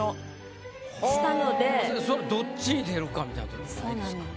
それどっちに出るかみたいなとこないですか？